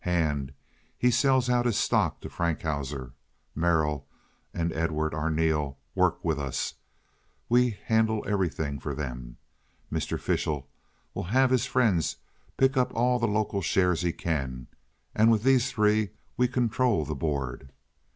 Hant—he sells out his stock to Frankhauser. Merrill unt Edward Arneel vork vit us. Ve hantle efferyt'ing for dem. Mr. Fishel vill haff his friends pick up all de local shares he can, unt mit dees tree ve control de board.